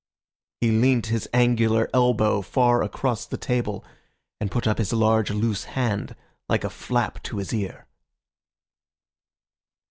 He leant his angular elbow far across the table, and put up his large loose hand like a flap to his ear.